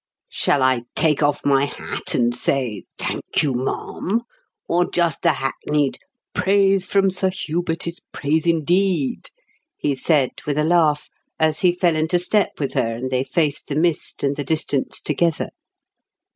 "Shall I take off my hat and say 'thank you, ma'am'; or just the hackneyed 'Praise from Sir Hubert is praise indeed'?" he said with a laugh as he fell into step with her and they faced the mist and the distance together.